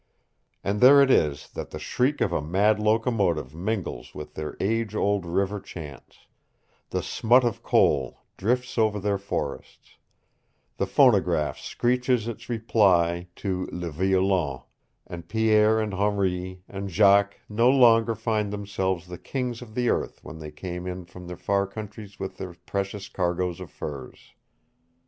And there it is that the shriek of a mad locomotive mingles with their age old river chants; the smut of coal drifts over their forests; the phonograph screeches its reply to le violon; and Pierre and Henri and Jacques no longer find themselves the kings of the earth when they come in from far countries with their precious cargoes of furs.